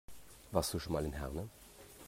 Warst du schon mal in Herne?